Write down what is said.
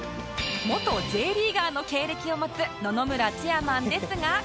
元 Ｊ リーガーの経歴を持つ野々村チェアマンですが